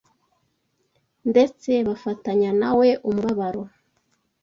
ndetse bafatanya na we umubabaro